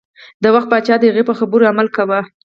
د وخت پاچا د هغې په خبرو عمل کاوه.